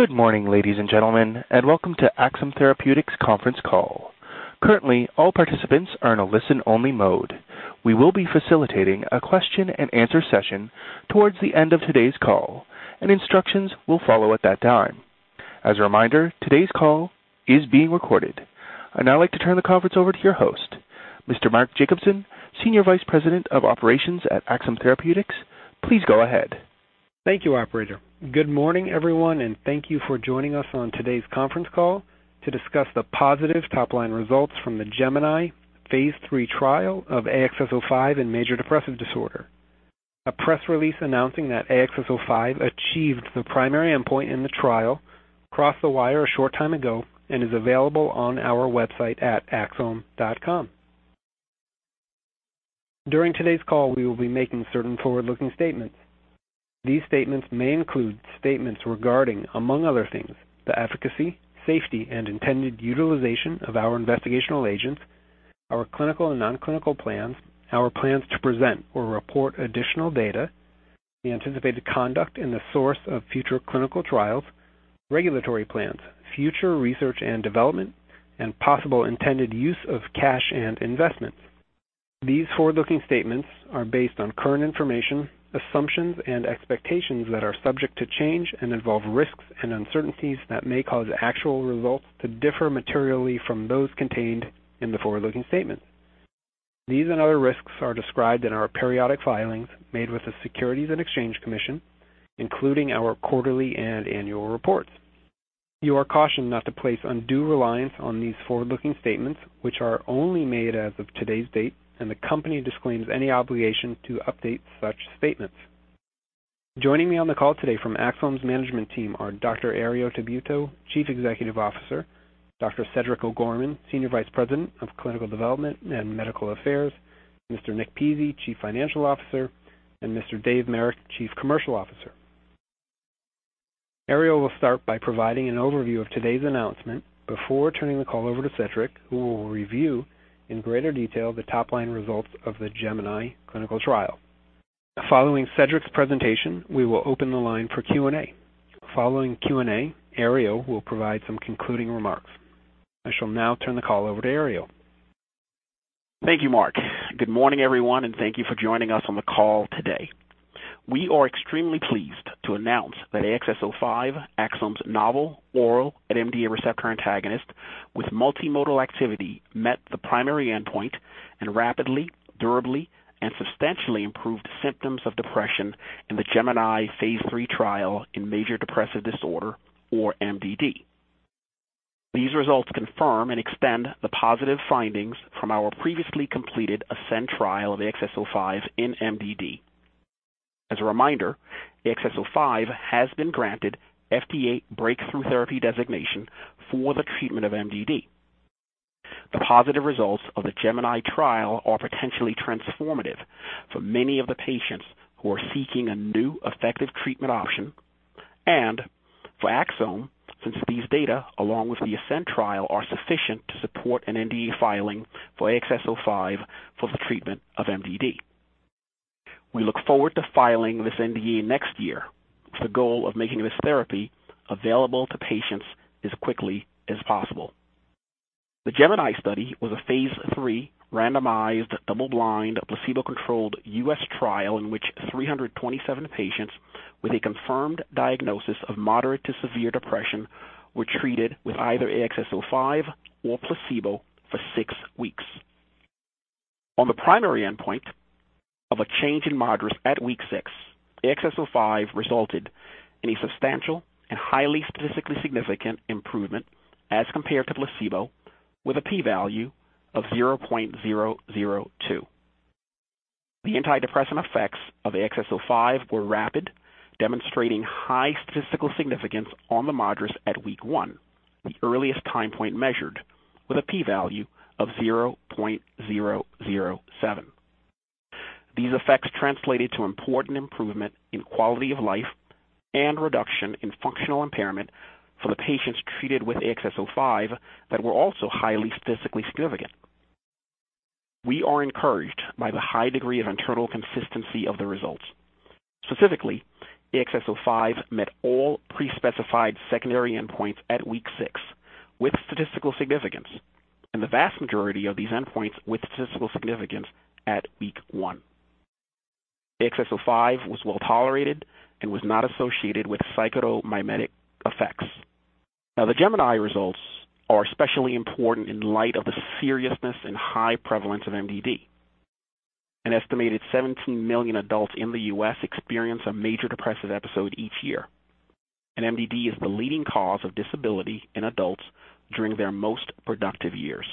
Good morning, ladies and gentlemen, and welcome to Axsome Therapeutics' conference call. Currently, all participants are in a listen-only mode. We will be facilitating a question and answer session towards the end of today's call, and instructions will follow at that time. As a reminder, today's call is being recorded. I'd now like to turn the conference over to your host, Mr. Mark Jacobson, Senior Vice President of Operations at Axsome Therapeutics. Please go ahead. Thank you, operator. Good morning, everyone, and thank you for joining us on today's conference call to discuss the positive top-line results from the GEMINI Phase III trial of AXS-05 in major depressive disorder. A press release announcing that AXS-05 achieved the primary endpoint in the trial crossed the wire a short time ago and is available on our website at axsome.com. During today's call, we will be making certain forward-looking statements. These statements may include statements regarding, among other things, the efficacy, safety, and intended utilization of our investigational agents, our clinical and non-clinical plans, our plans to present or report additional data, the anticipated conduct and the source of future clinical trials, regulatory plans, future research and development, and possible intended use of cash and investments. These forward-looking statements are based on current information, assumptions and expectations that are subject to change and involve risks and uncertainties that may cause actual results to differ materially from those contained in the forward-looking statements. These and other risks are described in our periodic filings made with the Securities and Exchange Commission, including our quarterly and annual reports. You are cautioned not to place undue reliance on these forward-looking statements, which are only made as of today's date, and the company disclaims any obligation to update such statements. Joining me on the call today from Axsome's management team are Dr. Herriot Tabuteau, Chief Executive Officer, Dr. Cedric O'Gorman, Senior Vice President of Clinical Development and Medical Affairs, Mr. Nick Pizzie, Chief Financial Officer, and Mr. Dave Marek, Chief Commercial Officer. Herriot will start by providing an overview of today's announcement before turning the call over to Cedric, who will review in greater detail the top-line results of the GEMINI clinical trial. Following Cedric's presentation, we will open the line for Q&A. Following Q&A, Herriot will provide some concluding remarks. I shall now turn the call over to Herriot. Thank you, Mark. Good morning, everyone, and thank you for joining us on the call today. We are extremely pleased to announce that AXS-05, Axsome's novel oral NMDA receptor antagonist with multimodal activity, met the primary endpoint and rapidly, durably, and substantially improved symptoms of depression in the GEMINI Phase 3 trial in major depressive disorder or MDD. These results confirm and extend the positive findings from our previously completed ASCEND trial of AXS-05 in MDD. As a reminder, AXS-05 has been granted FDA Breakthrough Therapy designation for the treatment of MDD. The positive results of the GEMINI trial are potentially transformative for many of the patients who are seeking a new effective treatment option and for Axsome, since these data, along with the ASCEND trial, are sufficient to support an NDA filing for AXS-05 for the treatment of MDD. We look forward to filing this NDA next year with the goal of making this therapy available to patients as quickly as possible. The GEMINI study was a phase III randomized, double-blind, placebo-controlled U.S. trial in which 327 patients with a confirmed diagnosis of moderate to severe depression were treated with either AXS-05 or placebo for six weeks. On the primary endpoint of a change in MADRS at week six, AXS-05 resulted in a substantial and highly statistically significant improvement as compared to placebo with a P value of 0.002. The antidepressant effects of AXS-05 were rapid, demonstrating high statistical significance on the MADRS at week one, the earliest time point measured, with a P value of 0.007. These effects translated to important improvement in quality of life and reduction in functional impairment for the patients treated with AXS-05 that were also highly statistically significant. We are encouraged by the high degree of internal consistency of the results. Specifically, AXS-05 met all pre-specified secondary endpoints at week six with statistical significance, and the vast majority of these endpoints with statistical significance at week one. AXS-05 was well-tolerated and was not associated with psychotomimetic effects. The GEMINI results are especially important in light of the seriousness and high prevalence of MDD. An estimated 17 million adults in the U.S. experience a major depressive episode each year. MDD is the leading cause of disability in adults during their most productive years.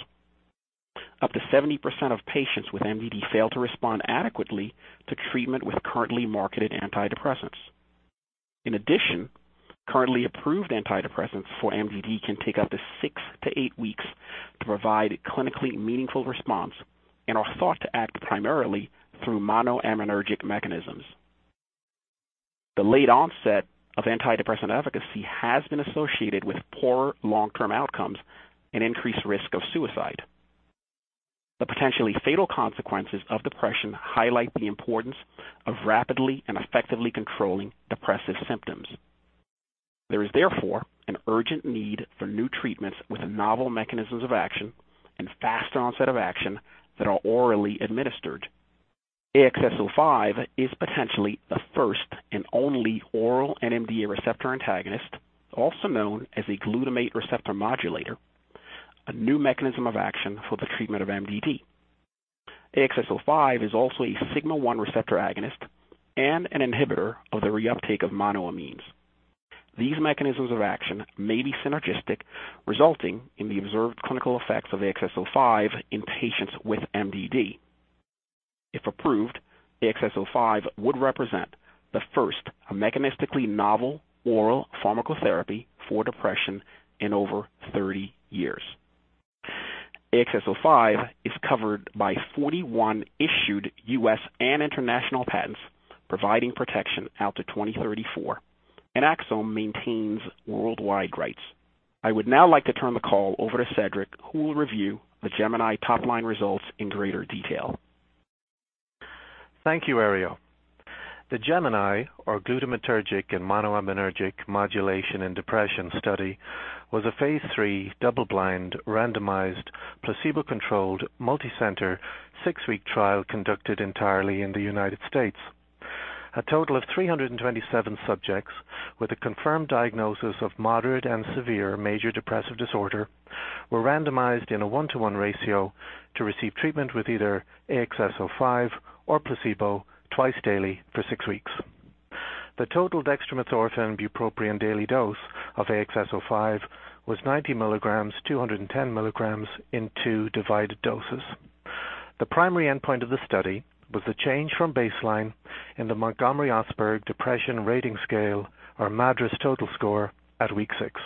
Up to 70% of patients with MDD fail to respond adequately to treatment with currently marketed antidepressants. Currently approved antidepressants for MDD can take up to six to eight weeks to provide clinically meaningful response and are thought to act primarily through monoaminergic mechanisms. The late onset of antidepressant efficacy has been associated with poor long-term outcomes and increased risk of suicide. The potentially fatal consequences of depression highlight the importance of rapidly and effectively controlling depressive symptoms. There is therefore an urgent need for new treatments with novel mechanisms of action and faster onset of action that are orally administered. AXS-05 is potentially the first and only oral NMDA receptor antagonist, also known as a glutamate receptor modulator, a new mechanism of action for the treatment of MDD. AXS-05 is also a sigma-1 receptor agonist and an inhibitor of the reuptake of monoamines. These mechanisms of action may be synergistic, resulting in the observed clinical effects of AXS-05 in patients with MDD. If approved, AXS-05 would represent the first mechanistically novel oral pharmacotherapy for depression in over 30 years. AXS-05 is covered by 41 issued U.S. and international patents, providing protection out to 2034. Axsome maintains worldwide rights. I would now like to turn the call over to Cedric, who will review the GEMINI top-line results in greater detail. Thank you, Herriot. The GEMINI, or Glutamatergic and Monoaminergic Modulation in Depression study, was a phase III double-blind, randomized, placebo-controlled, multi-center, six-week trial conducted entirely in the U.S. A total of 327 subjects with a confirmed diagnosis of moderate and severe major depressive disorder were randomized in a one-to-one ratio to receive treatment with either AXS-05 or placebo twice daily for six weeks. The total dextromethorphan/bupropion daily dose of AXS-05 was 90 mg / 210 mg in two divided doses. The primary endpoint of the study was the change from baseline in the Montgomery-Åsberg Depression Rating Scale, or MADRS total score at week six.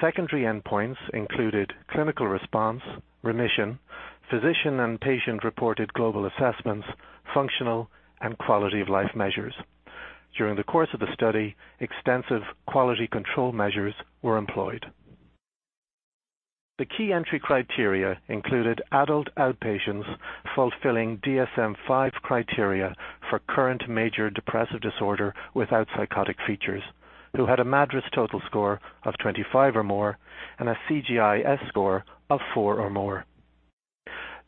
Secondary endpoints included clinical response, remission, physician and patient-reported global assessments, functional and quality-of-life measures. During the course of the study, extensive quality control measures were employed. The key entry criteria included adult outpatients fulfilling DSM-5 criteria for current major depressive disorder without psychotic features, who had a MADRS total score of 25 or more and a CGI-S score of 4 or more.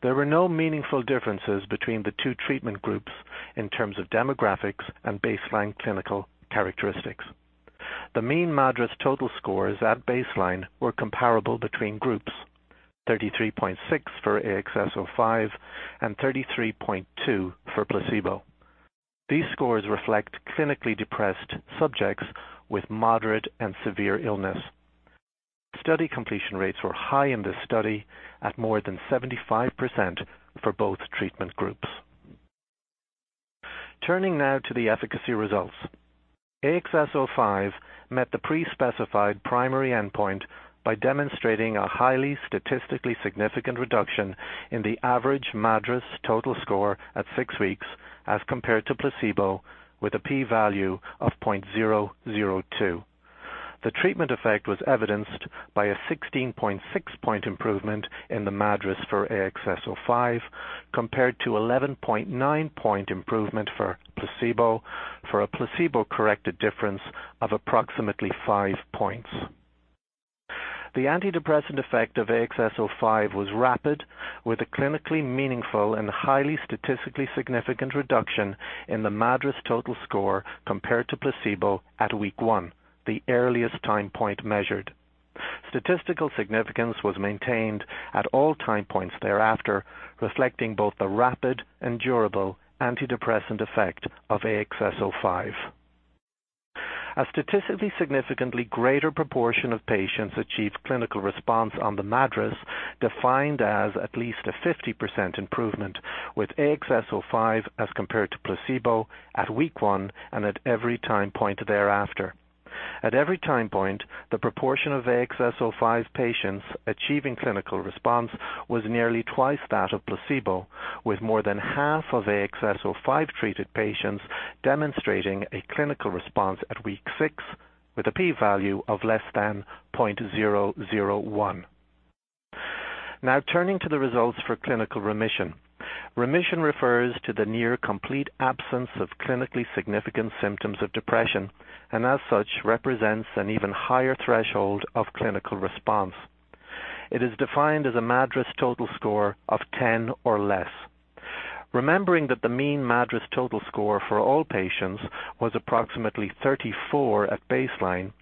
There were no meaningful differences between the two treatment groups in terms of demographics and baseline clinical characteristics. The mean MADRS total scores at baseline were comparable between groups, 33.6 for AXS-05 and 33.2 for placebo. These scores reflect clinically depressed subjects with moderate and severe illness. Study completion rates were high in this study at more than 75% for both treatment groups. Turning now to the efficacy results. AXS-05 met the pre-specified primary endpoint by demonstrating a highly statistically significant reduction in the average MADRS total score at six weeks as compared to placebo with a p-value of 0.002. The treatment effect was evidenced by a 16.6-point improvement in the MADRS for AXS-05, compared to 11.9-point improvement for placebo, for a placebo-corrected difference of approximately five points. The antidepressant effect of AXS-05 was rapid, with a clinically meaningful and highly statistically significant reduction in the MADRS total score compared to placebo at week one, the earliest time point measured. Statistical significance was maintained at all time points thereafter, reflecting both the rapid and durable antidepressant effect of AXS-05. A statistically significantly greater proportion of patients achieved clinical response on the MADRS, defined as at least a 50% improvement with AXS-05 as compared to placebo at week one and at every time point thereafter. At every time point, the proportion of AXS-05 patients achieving clinical response was nearly twice that of placebo, with more than half of AXS-05-treated patients demonstrating a clinical response at week 6 with a p-value of less than 0.001. Turning to the results for clinical remission. Remission refers to the near complete absence of clinically significant symptoms of depression and as such, represents an even higher threshold of clinical response. It is defined as a MADRS total score of 10 or less. Remembering that the mean MADRS total score for all patients was approximately 34 at baseline,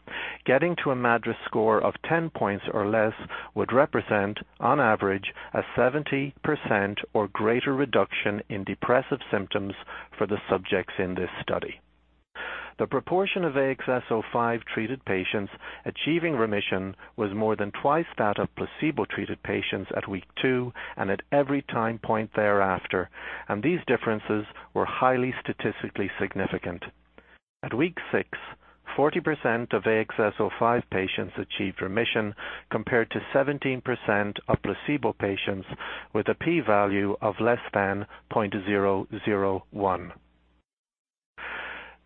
getting to a MADRS score of 10 points or less would represent, on average, a 70% or greater reduction in depressive symptoms for the subjects in this study. The proportion of AXS-05-treated patients achieving remission was more than twice that of placebo-treated patients at week two and at every time point thereafter, and these differences were highly statistically significant. At week six, 40% of AXS-05 patients achieved remission, compared to 17% of placebo patients with a p-value of less than 0.001.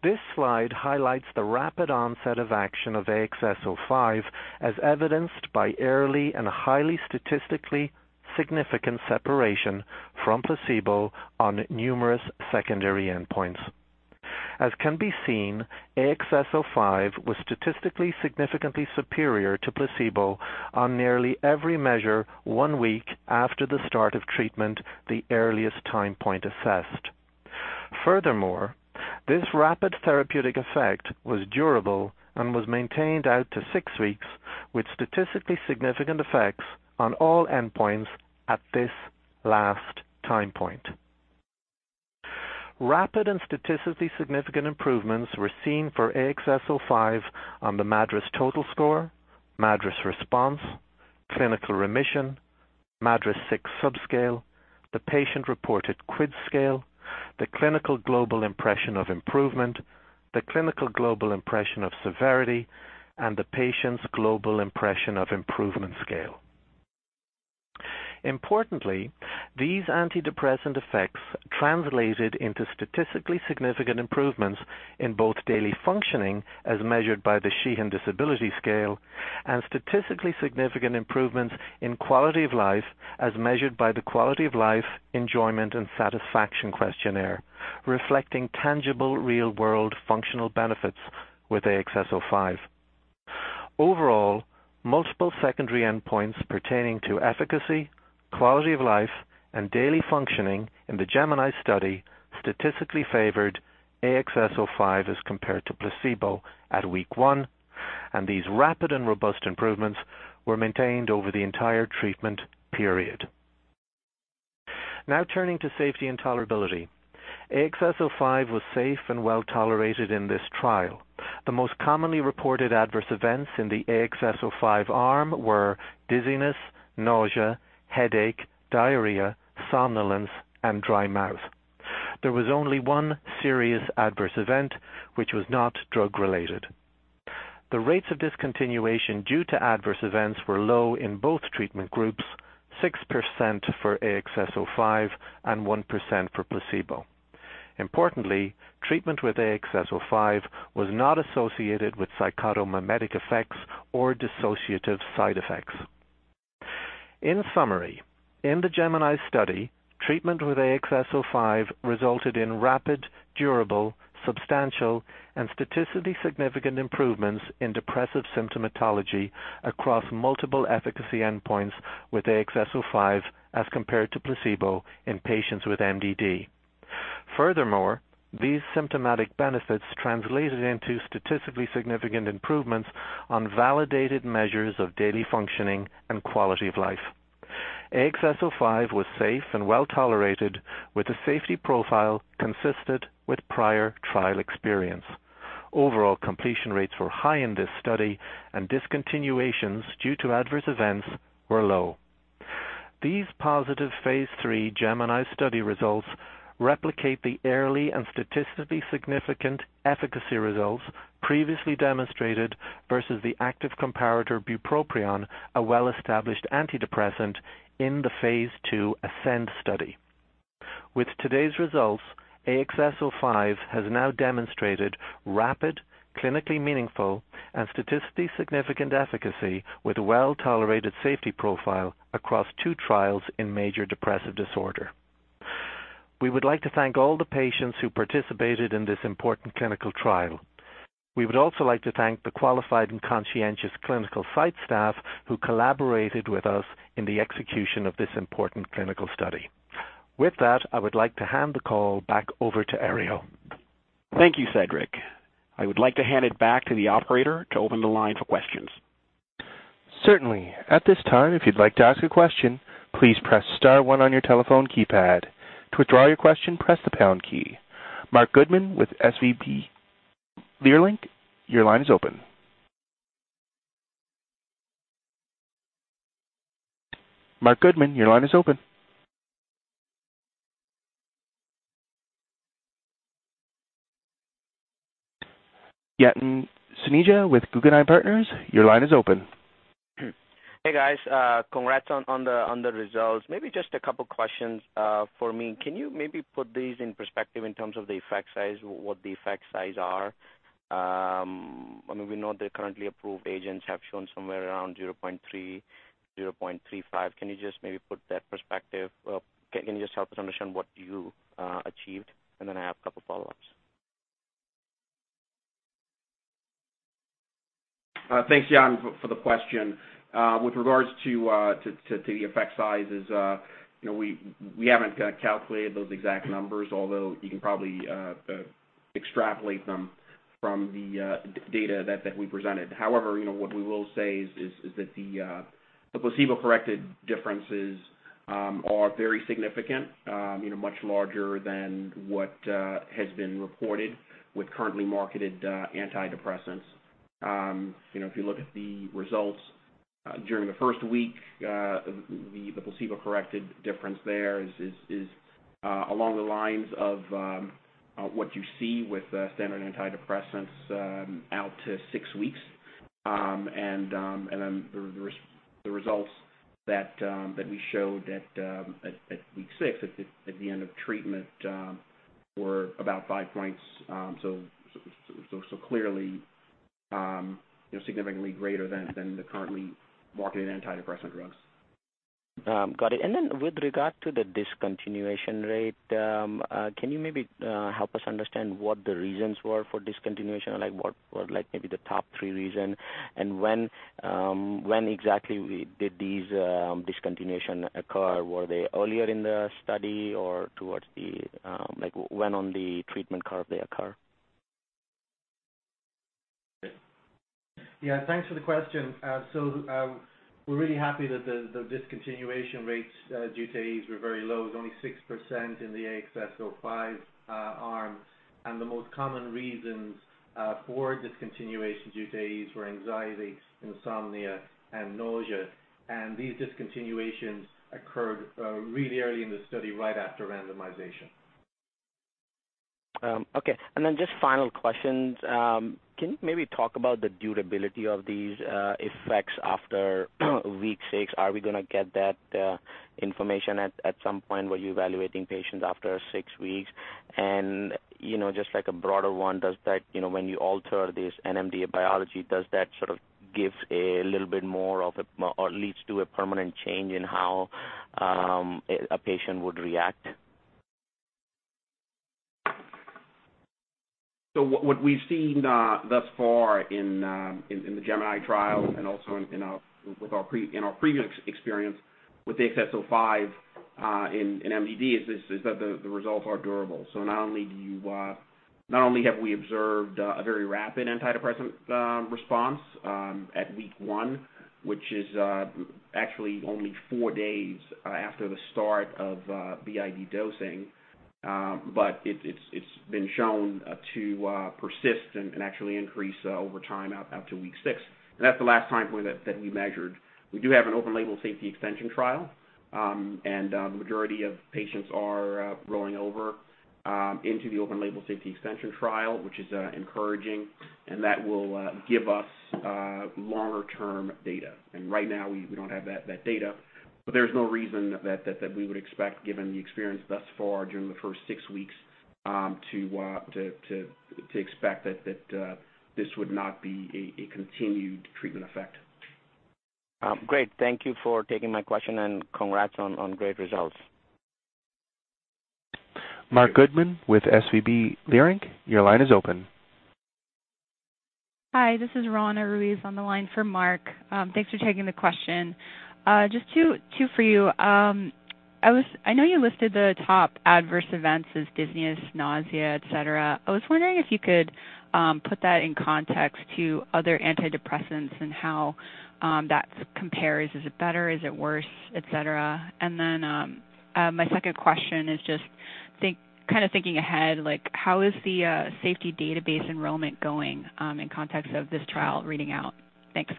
This slide highlights the rapid onset of action of AXS-05, as evidenced by early and highly statistically significant separation from placebo on numerous secondary endpoints. As can be seen, AXS-05 was statistically significantly superior to placebo on nearly every measure one week after the start of treatment, the earliest time point assessed. Furthermore, this rapid therapeutic effect was durable and was maintained out to six weeks, with statistically significant effects on all endpoints at this last time point. Rapid and statistically significant improvements were seen for AXS-05 on the MADRS total score, MADRS response, clinical remission, MADRS-6 subscale, the patient-reported QIDS scale, the Clinical Global Impression of Improvement, the Clinical Global Impression-Severity, and the patient's Global Impression of Improvement scale. Importantly, these antidepressant effects translated into statistically significant improvements in both daily functioning, as measured by the Sheehan Disability Scale, and statistically significant improvements in quality of life, as measured by the Quality of Life, Enjoyment and Satisfaction Questionnaire, reflecting tangible real-world functional benefits with AXS-05. Overall, multiple secondary endpoints pertaining to efficacy, quality of life, and daily functioning in the GEMINI study statistically favored AXS-05 as compared to placebo at week one, and these rapid and robust improvements were maintained over the entire treatment period. Now turning to safety and tolerability. AXS-05 was safe and well-tolerated in this trial. The most commonly reported adverse events in the AXS-05 arm were dizziness, nausea, headache, diarrhea, somnolence, and dry mouth. There was only one serious adverse event, which was not drug-related. The rates of discontinuation due to adverse events were low in both treatment groups, 6% for AXS-05 and 1% for placebo. Importantly, treatment with AXS-05 was not associated with psychotomimetic effects or dissociative side effects. In summary, in the GEMINI study, treatment with AXS-05 resulted in rapid, durable, substantial, and statistically significant improvements in depressive symptomatology across multiple efficacy endpoints with AXS-05 as compared to placebo in patients with MDD. Furthermore, these symptomatic benefits translated into statistically significant improvements on validated measures of daily functioning and quality of life. AXS-05 was safe and well-tolerated, with a safety profile consistent with prior trial experience. Overall completion rates were high in this study, and discontinuations due to adverse events were low. These positive phase III GEMINI study results replicate the early and statistically significant efficacy results previously demonstrated versus the active comparator bupropion, a well-established antidepressant in the phase II ASCEND study. With today's results, AXS-05 has now demonstrated rapid, clinically meaningful, and statistically significant efficacy with a well-tolerated safety profile across two trials in major depressive disorder. We would like to thank all the patients who participated in this important clinical trial. We would also like to thank the qualified and conscientious clinical site staff who collaborated with us in the execution of this important clinical study. With that, I would like to hand the call back over to Ariel. Thank you, Cedric. I would like to hand it back to the operator to open the line for questions. Certainly. At this time, if you'd like to ask a question, please press *one on your telephone keypad. To withdraw your question, press the pound key. Marc Goodman with SVB Leerink, your line is open. Marc Goodman, your line is open. Yatin Suneja with Guggenheim Partners, your line is open. Hey, guys. Congrats on the results. Maybe just a couple questions for me. Can you maybe put these in perspective in terms of the effect size, what the effect size are? We know the currently approved agents have shown somewhere around 0.3, 0.35. Can you just maybe put that perspective up? Can you just help us understand what you achieved? I have a couple follow-ups. Thanks, Yatin, for the question. With regards to the effect sizes, we haven't calculated those exact numbers, although you can probably extrapolate them from the data that we presented. What we will say is that the placebo-corrected differences are very significant, much larger than what has been reported with currently marketed antidepressants. If you look at the results during the first week, the placebo-corrected difference there is along the lines of what you see with standard antidepressants out to six weeks. The results that we showed at week six, at the end of treatment, were about five points. Clearly, significantly greater than the currently marketed antidepressant drugs. Got it. With regard to the discontinuation rate, can you maybe help us understand what the reasons were for discontinuation? Like what were maybe the top three reasons, and when exactly did these discontinuation occur? Were they earlier in the study or like when on the treatment curve they occur? Yeah. Thanks for the question. We're really happy that the discontinuation rates due to AEs were very low. It was only 6% in the AXS-05 arm. The most common reasons for discontinuation due to AEs were anxiety, insomnia, and nausea. These discontinuations occurred really early in the study, right after randomization. Okay. Just final questions. Can you maybe talk about the durability of these effects after week six? Are we going to get that information at some point? Were you evaluating patients after six weeks? Just like a broader one, when you alter this NMDA biology, does that sort of give a little bit more of a, or leads to a permanent change in how a patient would react? What we've seen thus far in the GEMINI trial and also in our previous experience with AXS-05 in MDD is that the results are durable. Not only have we observed a very rapid antidepressant response at week one, which is actually only four days after the start of BID dosing, but it's been shown to persist and actually increase over time out to week six. That's the last time point that we measured. We do have an open-label safety extension trial. The majority of patients are rolling over into the open-label safety extension trial, which is encouraging, and that will give us longer-term data. Right now, we don't have that data, but there's no reason that we would expect, given the experience thus far during the first six weeks, to expect that this would not be a continued treatment effect. Great. Thank you for taking my question, and congrats on great results. Marc Goodman with SVB Leerink, your line is open. Hi, this is Roanna Ruiz on the line for Marc. Thanks for taking the question. Just two for you. I know you listed the top adverse events as dizziness, nausea, et cetera. I was wondering if you could put that in context to other antidepressants and how that compares. Is it better, is it worse, et cetera? Then, my second question is just, kind of thinking ahead, how is the safety database enrollment going in context of this trial reading out? Thanks.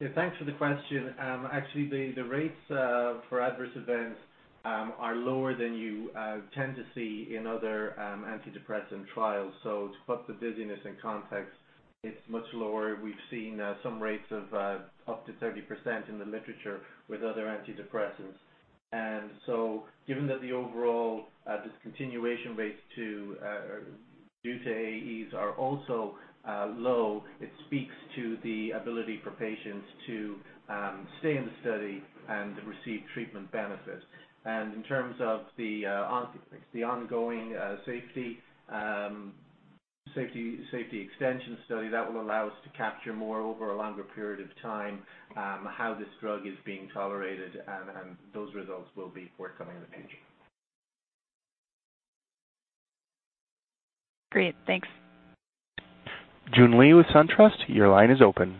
Yeah, thanks for the question. Actually, the rates for Adverse Events are lower than you tend to see in other antidepressant trials. To put the dizziness in context, it's much lower. We've seen some rates of up to 30% in the literature with other antidepressants. Given that the overall discontinuation rates due to AEs are also low, it speaks to the ability for patients to stay in the study and receive treatment benefit. In terms of the ongoing safety extension study, that will allow us to capture more over a longer period of time how this drug is being tolerated. Those results will be forthcoming in the future. Great. Thanks. Joon Lee with SunTrust, your line is open.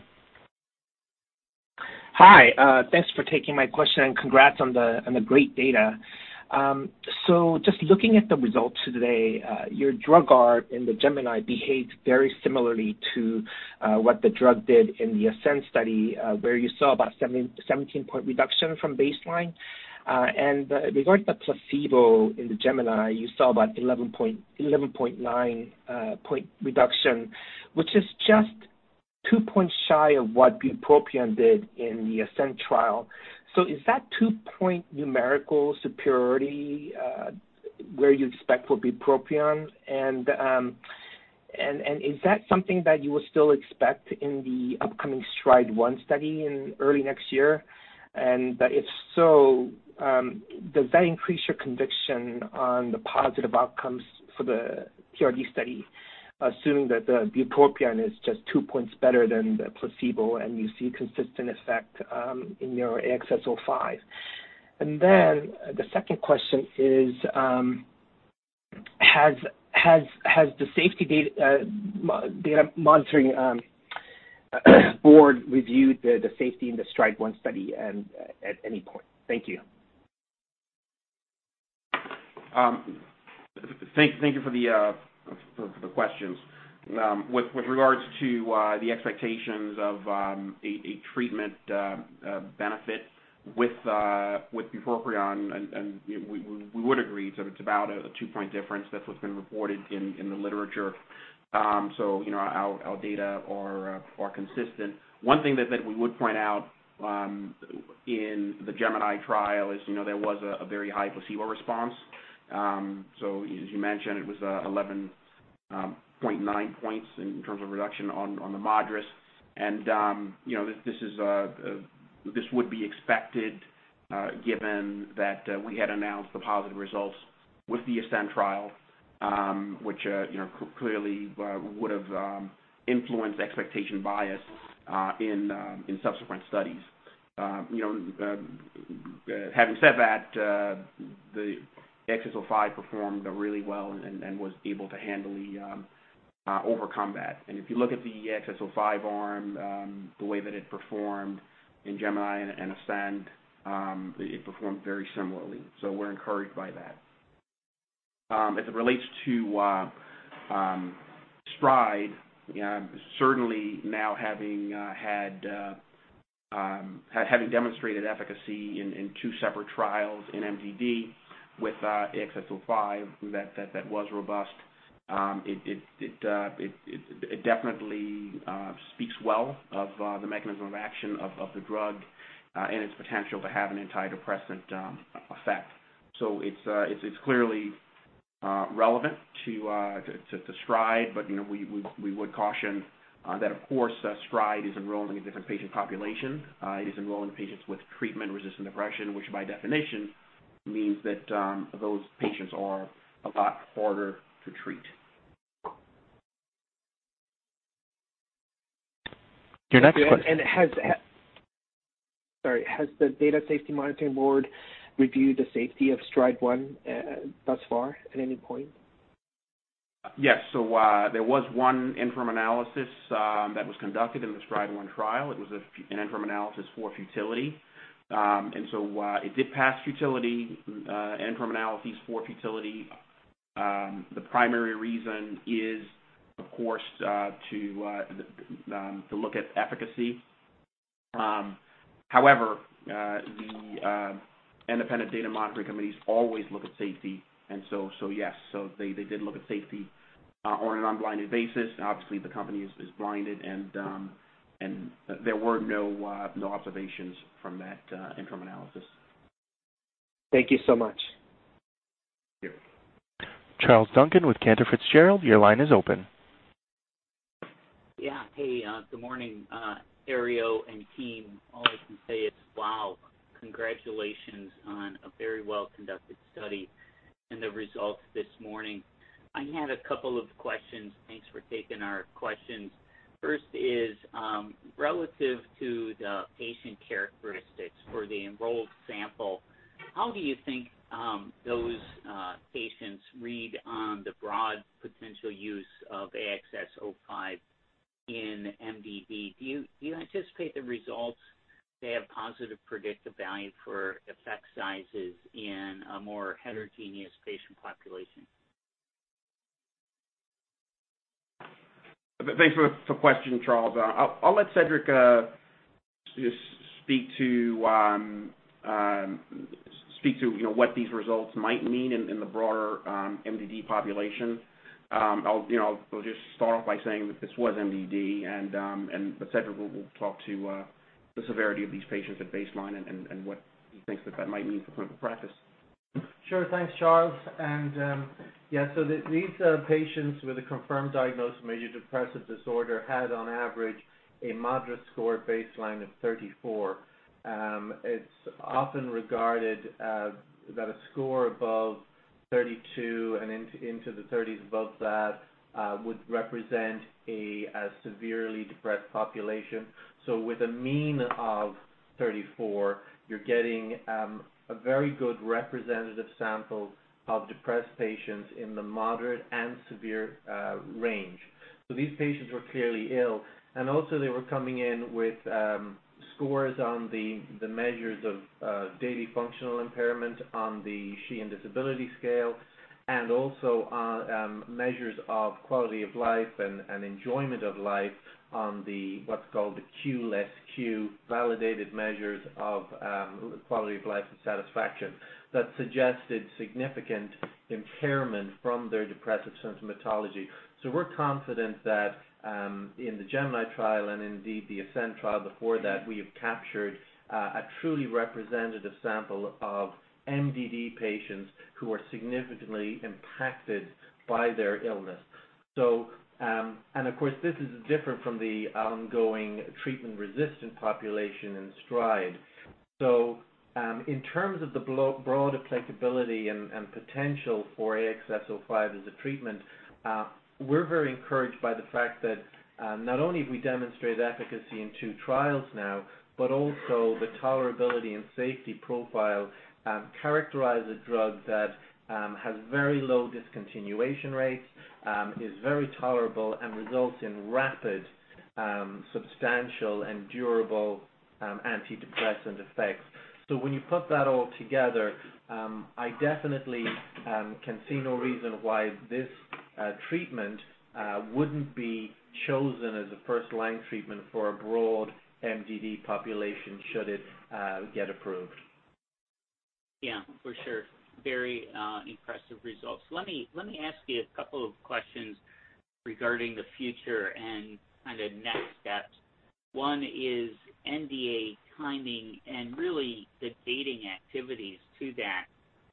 Hi, thanks for taking my question, and congrats on the great data. Just looking at the results today, your drug arm in the GEMINI behaves very similarly to what the drug did in the ASCEND study where you saw about a 17-point reduction from baseline. Regarding the placebo in the GEMINI, you saw about 11.9-point reduction, which is just 2 points shy of what bupropion did in the ASCEND trial. Is that 2-point numerical superiority where you expect for bupropion? Is that something that you would still expect in the upcoming STRIDE-1 study early next year? If so, does that increase your conviction on the positive outcomes for the TRD study, assuming that the bupropion is just 2 points better than the placebo and you see consistent effect in your AXS-05? The second question is, has the Data Safety Monitoring Board reviewed the safety in the STRIDE-1 study at any point? Thank you. Thank you for the questions. With regards to the expectations of a treatment benefit with bupropion, we would agree sort of it's about a two-point difference. That's what's been reported in the literature. Our data are consistent. One thing that we would point out in the GEMINI trial is there was a very high placebo response. As you mentioned, it was 11.9 points in terms of reduction on the MADRS. This would be expected given that we had announced the positive results with the ASCEND trial which clearly would've influenced expectation bias in subsequent studies. Having said that, AXS-05 performed really well and was able to overcome that. If you look at the AXS-05 arm, the way that it performed in GEMINI and ASCEND, it performed very similarly. We're encouraged by that. As it relates to STRIDE, certainly now having demonstrated efficacy in two separate trials in MDD with, AXS-05, that was robust. It definitely speaks well of the mechanism of action of the drug and its potential to have an antidepressant effect. It's clearly relevant to STRIDE, but we would caution that of course, STRIDE is enrolling a different patient population. It is enrolling patients with Treatment-Resistant Depression, which by definition means that those patients are a lot harder to treat. Your next question. Sorry. Has the Data Safety Monitoring Board reviewed the safety of STRIDE-1 thus far at any point? Yes. There was one interim analysis that was conducted in the STRIDE-1 trial. It was an interim analysis for futility. It did pass futility, interim analyses for futility. The primary reason is of course, to look at efficacy. However, the independent data monitoring committees always look at safety. Yes. They did look at safety on an unblinded basis. Obviously, the company is blinded and there were no observations from that interim analysis. Thank you so much. Sure. Charles Duncan with Cantor Fitzgerald, your line is open. Hey, good morning, Herriot and team. All I can say is wow. Congratulations on a very well-conducted study and the results this morning. I had a couple of questions. Thanks for taking our questions. First is relative to the patient characteristics for the enrolled sample. How do you think those patients read on the broad potential use of AXS-05 in MDD? Do you anticipate the results to have positive predictive value for effect sizes in a more heterogeneous patient population? Thanks for the question, Charles. I'll let Cedric just speak to what these results might mean in the broader MDD population. I'll just start off by saying that this was MDD and Cedric will talk to the severity of these patients at baseline and what he thinks that that might mean for clinical practice. Sure. Thanks, Charles. Yeah, these patients with a confirmed diagnosis of major depressive disorder had on average, a MADRS score baseline of 34. It's often regarded that a score above 32 and into the 30s above that would represent a severely depressed population. With a mean of 34, you're getting a very good representative sample of depressed patients in the moderate and severe range. These patients were clearly ill, and also they were coming in with scores on the measures of daily functional impairment on the Sheehan Disability Scale, and also on measures of quality of life and enjoyment of life on the what's called the Q-LES-Q validated measures of quality of life and satisfaction that suggested significant impairment from their depressive symptomatology. We're confident that in the GEMINI trial and indeed the ASCEND trial before that, we have captured a truly representative sample of MDD patients who are significantly impacted by their illness. Of course, this is different from the ongoing treatment-resistant population in STRIDE. In terms of the broad applicability and potential for AXS-05 as a treatment we're very encouraged by the fact that not only have we demonstrated efficacy in two trials now, but also the tolerability and safety profile characterize a drug that has very low discontinuation rates, is very tolerable, and results in rapid substantial and durable antidepressant effects. When you put that all together, I definitely can see no reason why this treatment wouldn't be chosen as a first-line treatment for a broad MDD population should it get approved. Yeah, for sure. Very impressive results. Let me ask you a couple of questions regarding the future and next steps. One is NDA timing and really the gating activities to that.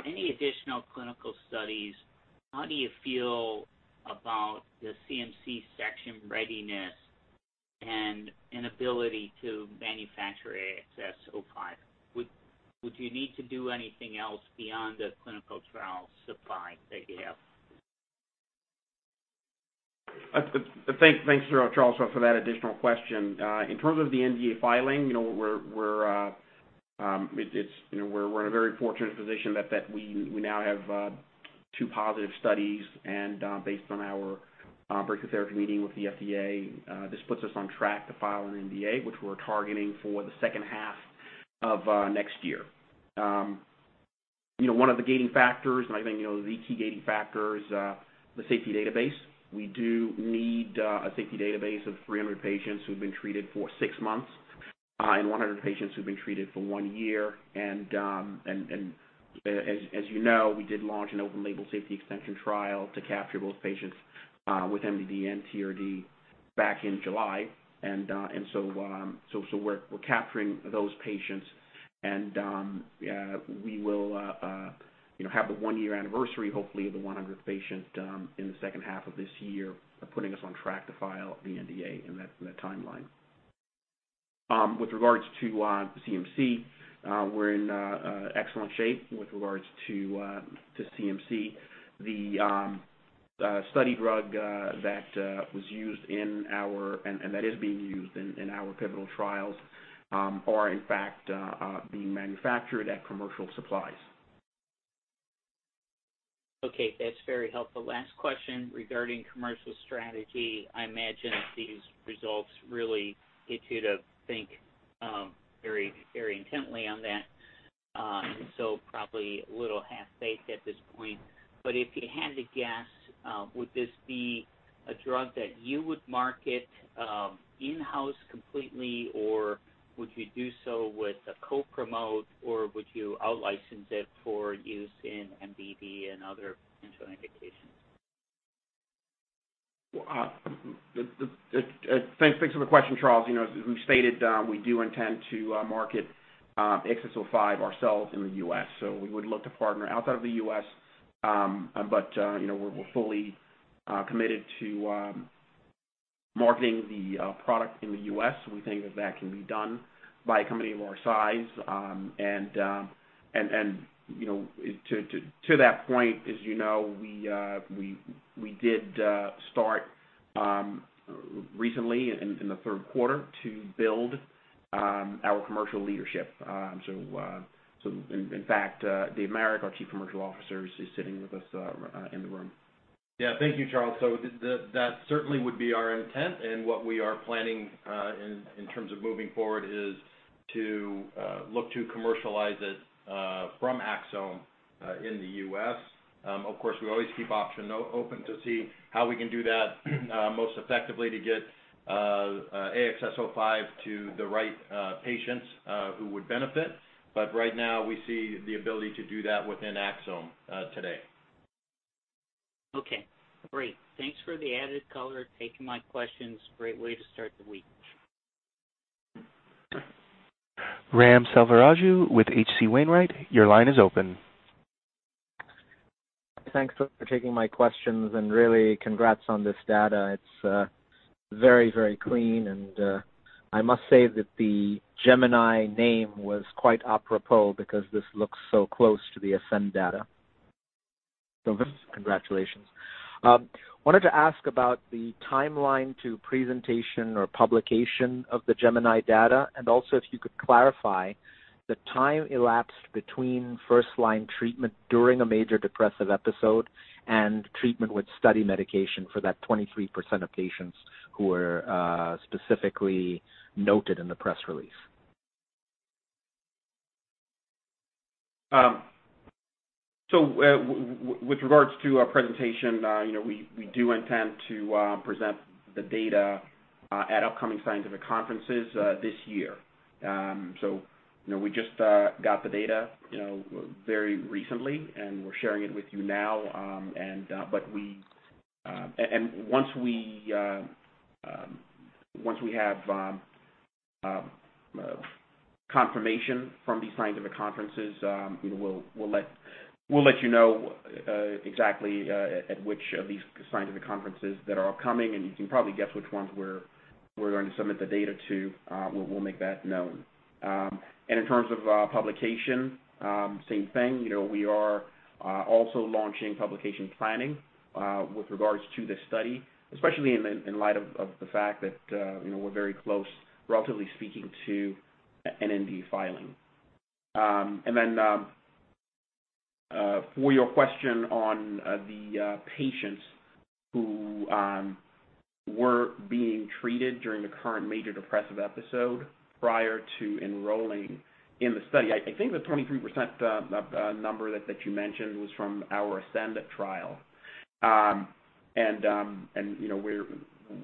Any additional clinical studies? How do you feel about the CMC section readiness and ability to manufacture AXS-05? Would you need to do anything else beyond the clinical trial supply that you have? Thanks, Charles, for that additional question. In terms of the NDA filing, we're in a very fortunate position that we now have two positive studies. Based on our Breakthrough Therapy meeting with the FDA, this puts us on track to file an NDA, which we're targeting for the second half of next year. One of the gating factors, and I think, the key gating factor, is the safety database. We do need a safety database of 300 patients who've been treated for six months and 100 patients who've been treated for one year. As you know, we did launch an open-label safety extension trial to capture those patients with MDD and TRD back in July. We're capturing those patients, and we will have the one-year anniversary, hopefully of the 100 patients in the second half of this year, putting us on track to file the NDA in that timeline. With regards to CMC, we're in excellent shape with regards to CMC. The study drug that was used in our, and that is being used in our pivotal trials are in fact being manufactured at commercial supplies. Okay. That's very helpful. Last question regarding commercial strategy. I imagine these results really get you to think very intently on that. Probably a little half-baked at this point, but if you had to guess, would this be a drug that you would market in-house completely, or would you do so with a co-promote, or would you out-license it for use in MDD and other potential indications? Thanks for the question, Charles. As we've stated, we do intend to market AXS-05 ourselves in the U.S. We would look to partner outside of the U.S., but we're fully committed to marketing the product in the U.S. We think that that can be done by a company of our size. To that point, as you know, we did start recently in the third quarter to build our commercial leadership. In fact, Dave Marek, our Chief Commercial Officer, is sitting with us in the room. Thank you, Charles. That certainly would be our intent. What we are planning in terms of moving forward is to look to commercialize it from Axsome in the U.S. Of course, we always keep options open to see how we can do that most effectively to get AXS-05 to the right patients who would benefit. Right now, we see the ability to do that within Axsome today. Okay, great. Thanks for the added color, taking my questions. Great way to start the week. Ram Selvaraju with H.C. Wainwright, your line is open. Thanks for taking my questions and really congrats on this data. It's very clean and I must say that the GEMINI name was quite apropos because this looks so close to the ASCEND data. Congratulations. Wanted to ask about the timeline to presentation or publication of the GEMINI data, and also if you could clarify the time elapsed between first-line treatment during a major depressive episode and treatment with study medication for that 23% of patients who were specifically noted in the press release. With regards to our presentation, we do intend to present the data at upcoming scientific conferences this year. We just got the data very recently, and we're sharing it with you now. Once we have confirmation from these scientific conferences, we'll let you know exactly at which of these scientific conferences that are upcoming, and you can probably guess which ones we're going to submit the data to. We'll make that known. In terms of publication, same thing. We are also launching publication planning with regards to this study, especially in light of the fact that we're very close, relatively speaking, to an NDA filing. For your question on the patients who were being treated during a current major depressive episode prior to enrolling in the study. I think the 23% number that you mentioned was from our ASCEND trial. Okay.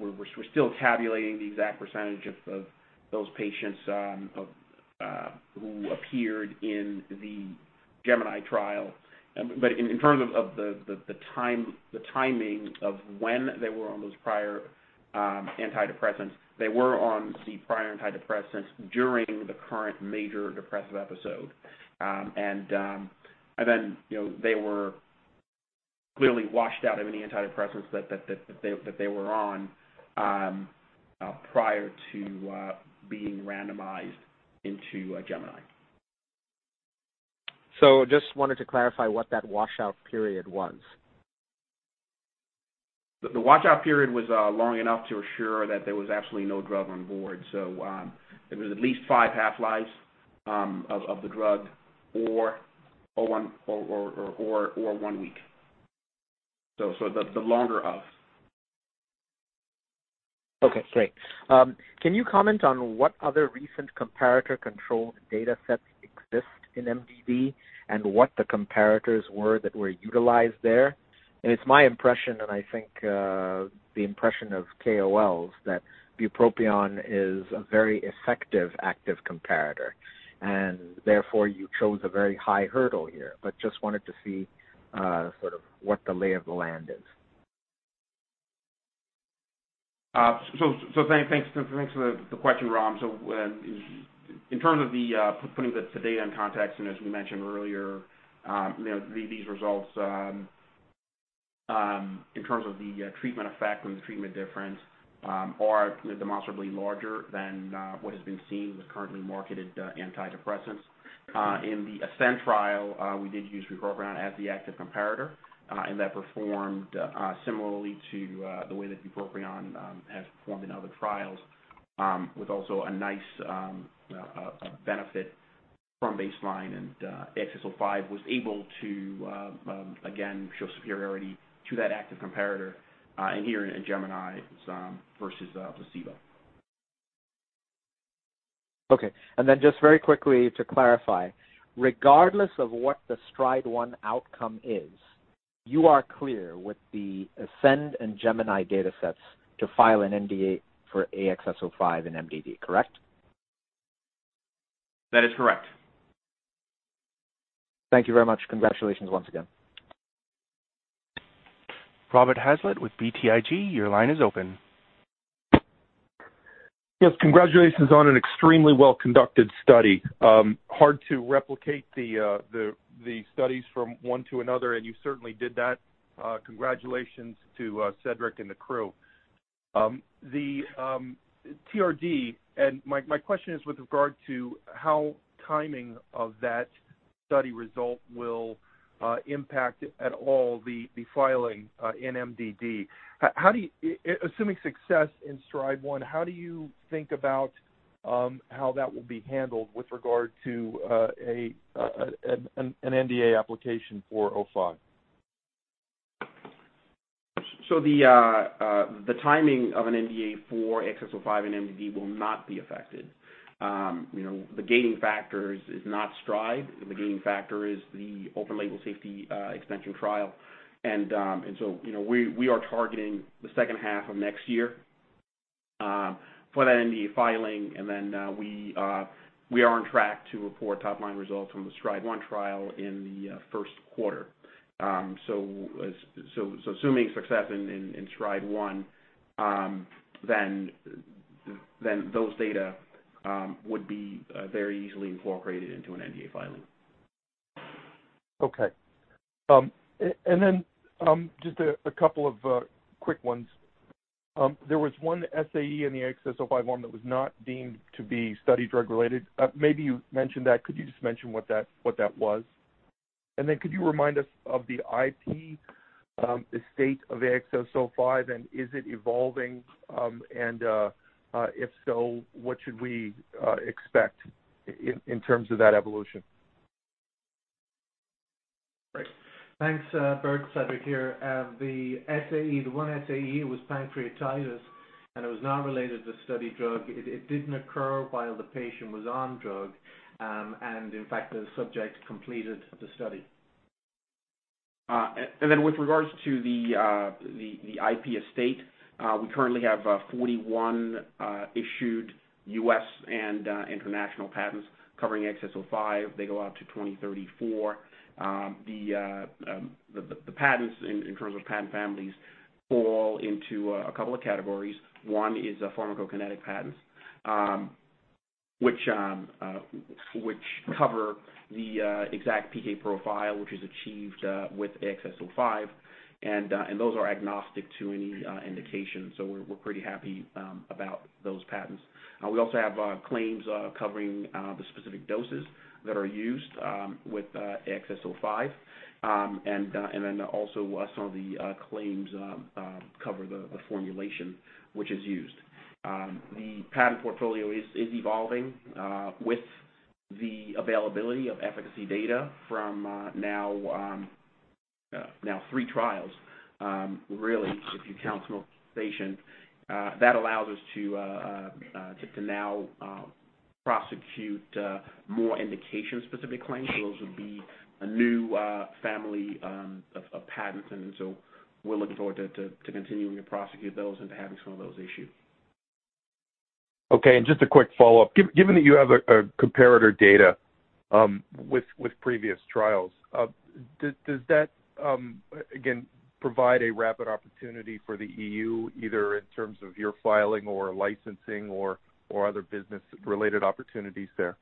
We're still tabulating the exact percentage of those patients who appeared in the GEMINI trial. In terms of the timing of when they were on those prior antidepressants, they were on the prior antidepressants during the current major depressive episode. They were clearly washed out of any antidepressants that they were on prior to being randomized into GEMINI. Just wanted to clarify what that washout period was. The washout period was long enough to assure that there was absolutely no drug on board. It was at least five half-lives of the drug or one week. Okay, great. Can you comment on what other recent comparator-controlled data sets exist in MDD and what the comparators were that were utilized there? It's my impression, and I think the impression of KOLs, that bupropion is a very effective active comparator, and therefore you chose a very high hurdle here. Just wanted to see sort of what the lay of the land is. Thanks for the question, Ram. In terms of putting the data in context, and as we mentioned earlier, these results in terms of the treatment effect or the treatment difference are demonstrably larger than what has been seen with currently marketed antidepressants. In the ASCEND trial, we did use bupropion as the active comparator, and that performed similarly to the way that bupropion has performed in other trials with also a nice benefit from baseline. AXS-05 was able to, again, show superiority to that active comparator here in GEMINI versus placebo. Just very quickly to clarify, regardless of what the STRIDE-1 outcome is, you are clear with the ASCEND and GEMINI data sets to file an NDA for AXS-05 and MDD, correct? That is correct. Thank you very much. Congratulations once again. Robert Hazlett with BTIG, your line is open. Yes, congratulations on an extremely well-conducted study. Hard to replicate the studies from one to another. You certainly did that. Congratulations to Cedric and the crew. The TRD. My question is with regard to how timing of that study result will impact at all the filing in MDD. Assuming success in STRIDE-1, how do you think about how that will be handled with regard to an NDA application for '05? The timing of an NDA for AXS-05 and MDD will not be affected. The gating factor is not STRIDE. The gating factor is the open-label safety expansion trial. We are targeting the second half of next year for that NDA filing. We are on track to report top-line results from the STRIDE-1 trial in the first quarter. Assuming success in STRIDE-1, then those data would be very easily incorporated into an NDA filing. Okay. Just a couple of quick ones. There was one SAE in the AXS-05 one that was not deemed to be study drug related. Maybe you mentioned that. Could you just mention what that was? Could you remind us of the IP estate of AXS-05, and is it evolving? If so, what should we expect in terms of that evolution? Great. Thanks, [Bert]. Cedric here. The one SAE was pancreatitis. It was not related to study drug. It didn't occur while the patient was on drug. In fact, the subject completed the study. With regards to the IP estate, we currently have 41 issued U.S. and international patents covering AXS-05. They go out to 2034. The patents in terms of patent families fall into a couple of categories. One is pharmacokinetic patents which cover the exact PK profile, which is achieved with AXS-05. Those are agnostic to any indication. We're pretty happy about those patents. We also have claims covering the specific doses that are used with AXS-05. Also some of the claims cover the formulation which is used. The patent portfolio is evolving with the availability of efficacy data from now three trials. Really, if you count 12 patients. That allows us to now prosecute more indication-specific claims. Those would be a new family of patents, and so we're looking forward to continuing to prosecute those and to having some of those issued. Okay. Just a quick follow-up. Given that you have a comparator data with previous trials, does that, again, provide a rapid opportunity for the EU, either in terms of your filing or licensing or other business-related opportunities there?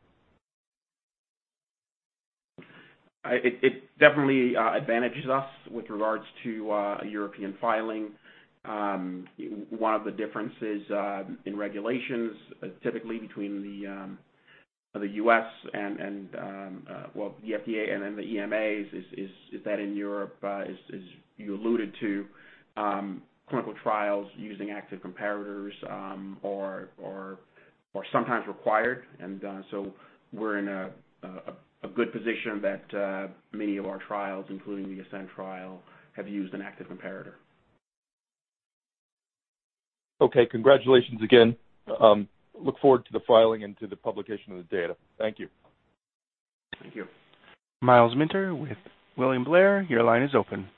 It definitely advantages us with regards to European filing. One of the differences in regulations, typically between the U.S. and-- well, the FDA and then the EMAs is that in Europe, as you alluded to, clinical trials using active comparators are sometimes required. We're in a good position that many of our trials, including the ASCEND trial, have used an active comparator. Okay. Congratulations again. Look forward to the filing and to the publication of the data. Thank you. Thank you. Myles Minter with William Blair. Your line is open.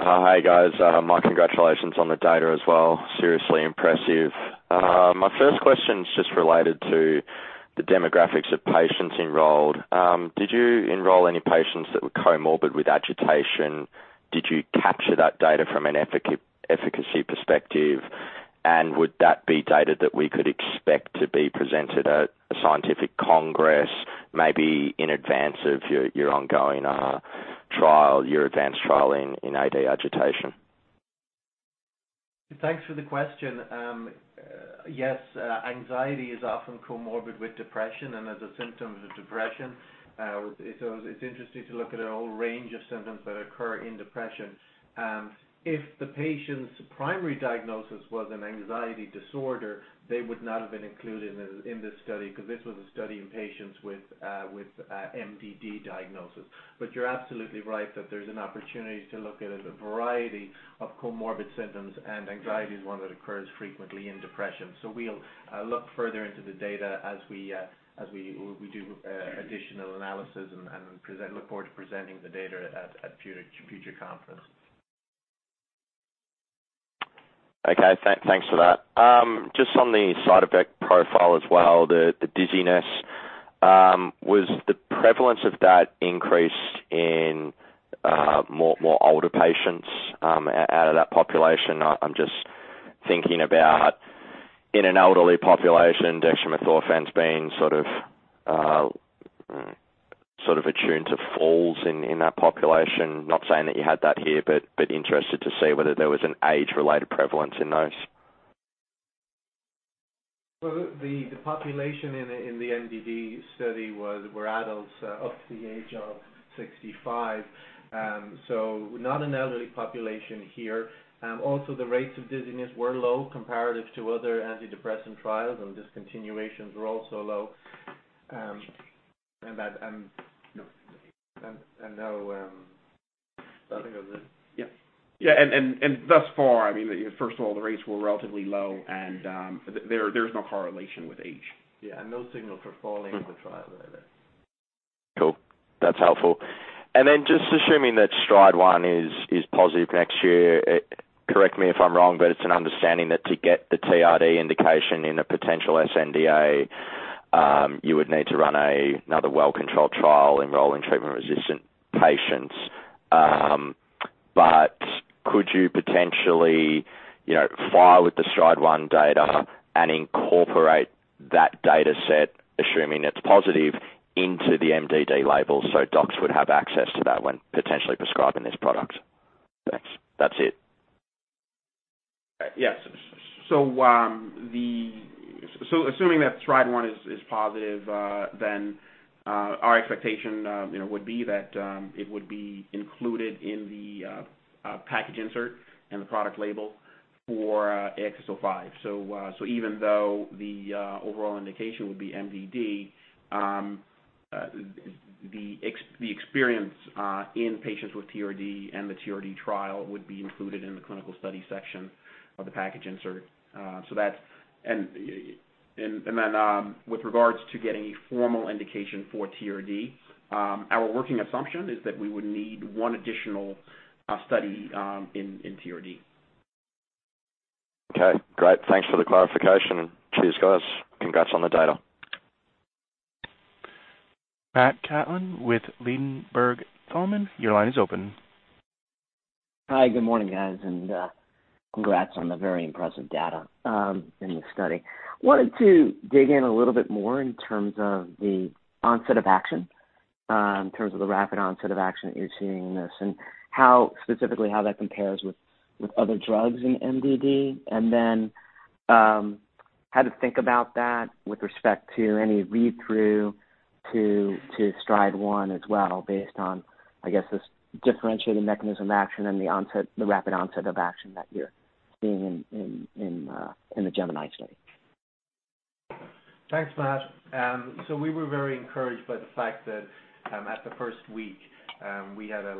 Hi, guys. My congratulations on the data as well. Seriously impressive. My first question is just related to the demographics of patients enrolled. Did you enroll any patients that were comorbid with agitation? Did you capture that data from an efficacy perspective? Would that be data that we could expect to be presented at a scientific congress, maybe in advance of your ongoing trial, your ADVANCE-1 trial in AD agitation? Thanks for the question. Yes, anxiety is often comorbid with depression and as a symptom of depression. It's interesting to look at a whole range of symptoms that occur in depression. If the patient's primary diagnosis was an anxiety disorder, they would not have been included in this study because this was a study in patients with MDD diagnosis. You're absolutely right that there's an opportunity to look at a variety of comorbid symptoms, and anxiety is one that occurs frequently in depression. We'll look further into the data as we do additional analysis and look forward to presenting the data at future conference. Okay. Thanks for that. Just on the side effect profile as well, the dizziness, was the prevalence of that increased in more older patients out of that population? I'm just thinking about in an elderly population, dextromethorphan's being sort of attuned to falls in that population. Not saying that you had that here, but interested to see whether there was an age-related prevalence in those. Well, the population in the MDD study were adults of the age of 65, so not an elderly population here. Also, the rates of dizziness were low comparative to other antidepressant trials, and discontinuations were also low. Nothing on this. Yeah. Yeah. Thus far, first of all, the rates were relatively low, and there's no correlation with age. Yeah, no signal for falling in the trial either. Cool. That's helpful. Just assuming that STRIDE-1 is positive next year, correct me if I'm wrong, but it's an understanding that to get the TRD indication in a potential sNDA, you would need to run another well-controlled trial enrolling treatment-resistant patients. Could you potentially file with the STRIDE-1 data and incorporate that data set, assuming it's positive, into the MDD label so docs would have access to that when potentially prescribing this product? Thanks. That's it. Yes. Assuming that STRIDE-1 is positive, then our expectation would be that it would be included in the package insert and the product label for AXS-05. Even though the overall indication would be MDD, the experience in patients with TRD and the TRD trial would be included in the clinical study section of the package insert. With regards to getting a formal indication for TRD, our working assumption is that we would need one additional study in TRD. Okay, great. Thanks for the clarification. Cheers, guys. Congrats on the data. Matt Kaplan with Ladenburg Thalmann. Your line is open. Hi, good morning, guys. Congrats on the very impressive data in this study. I wanted to dig in a little bit more in terms of the onset of action, in terms of the rapid onset of action that you're seeing in this. Specifically, how that compares with other drugs in MDD. How to think about that with respect to any read-through to STRIDE-1 as well based on, I guess, this differentiating mechanism of action and the rapid onset of action that you're seeing in the GEMINI study. Thanks, Matt. We were very encouraged by the fact that at the first week, we had a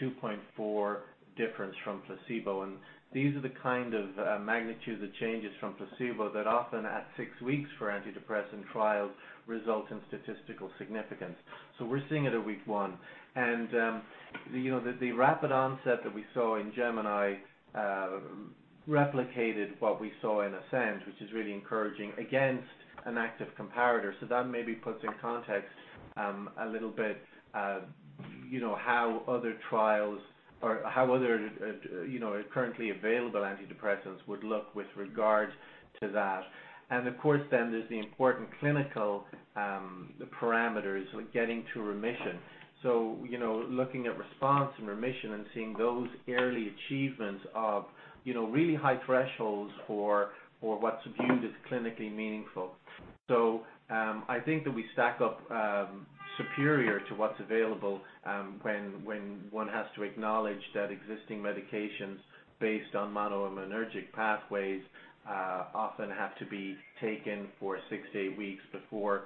2.4 difference from placebo. These are the kind of magnitudes of changes from placebo that often at 6 weeks for antidepressant trials result in statistical significance. We're seeing it at week 1. The rapid onset that we saw in GEMINI replicated what we saw in ASCEND, which is really encouraging against an active comparator. That maybe puts in context a little bit how other currently available antidepressants would look with regard to that. Of course then there's the important clinical parameters with getting to remission. Looking at response and remission and seeing those early achievements of really high thresholds for what's viewed as clinically meaningful. I think that we stack up superior to what's available when one has to acknowledge that existing medications based on monoaminergic pathways often have to be taken for six to eight weeks before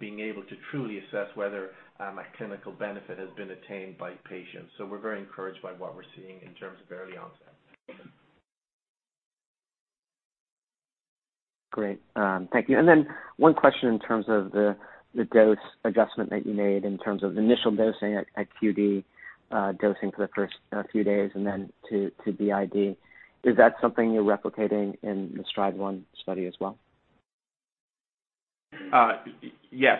being able to truly assess whether a clinical benefit has been attained by patients. We're very encouraged by what we're seeing in terms of early onset. Great. Thank you. One question in terms of the dose adjustment that you made in terms of initial dosing at QD dosing for the first few days and then to BID. Is that something you're replicating in the STRIDE-1 study as well? Yes.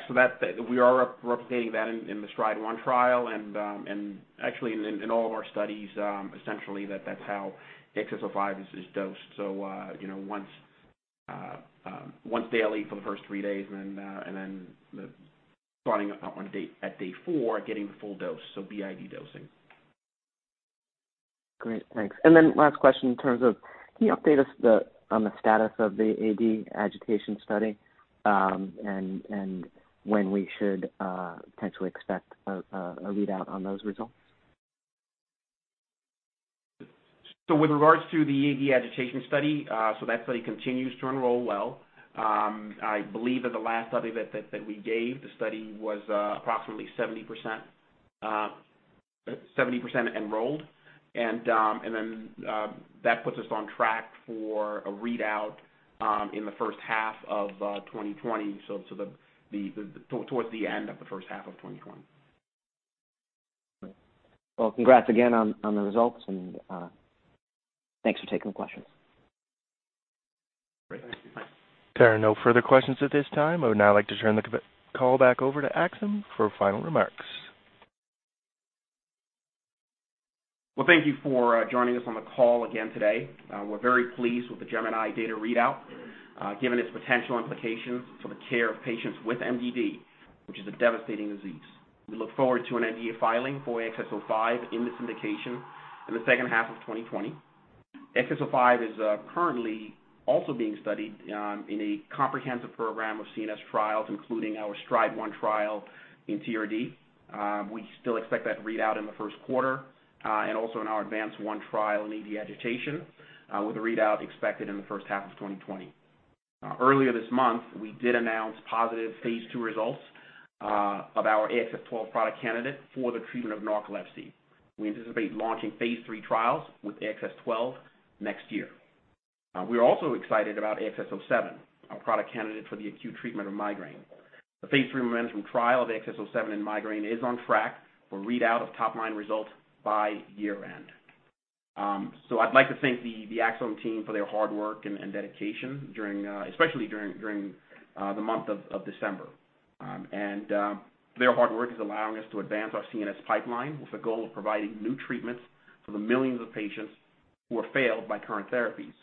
We are replicating that in the STRIDE-1 trial and actually in all of our studies, essentially that's how AXS-05 is dosed. Once daily for the first three days and then starting at day four, getting the full dose, so BID dosing. Great, thanks. Last question in terms of, can you update us on the status of the AD agitation study? When we should potentially expect a readout on those results? With regards to the AD agitation study, that study continues to enroll well. I believe at the last update that we gave, the study was approximately 70% enrolled. That puts us on track for a readout in the first half of 2020. Towards the end of the first half of 2020. Well, congrats again on the results and thanks for taking the questions. Great. Thank you. There are no further questions at this time. I would now like to turn the call back over to Axsome for final remarks. Well, thank you for joining us on the call again today. We're very pleased with the GEMINI data readout, given its potential implications for the care of patients with MDD, which is a devastating disease. We look forward to an NDA filing for AXS-05 in this indication in the second half of 2020. AXS-05 is currently also being studied in a comprehensive program of CNS trials, including our STRIDE-1 trial in TRD. We still expect that readout in the first quarter. Also in our ADVANCE-1 trial in AD agitation, with a readout expected in the first half of 2020. Earlier this month, we did announce positive Phase II results of our AXS-12 product candidate for the treatment of narcolepsy. We anticipate launching Phase III trials with AXS-12 next year. We are also excited about AXS-07, our product candidate for the acute treatment of migraine. The Phase III MOMENTUM trial of AXS-07 in migraine is on track for readout of top-line results by year-end. I'd like to thank the Axsome team for their hard work and dedication, especially during the month of December. Their hard work is allowing us to advance our CNS pipeline with the goal of providing new treatments for the millions of patients who are failed by current therapies.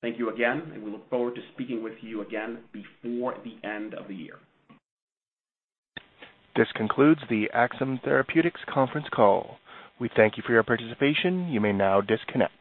Thank you again, and we look forward to speaking with you again before the end of the year. This concludes the Axsome Therapeutics conference call. We thank you for your participation. You may now disconnect.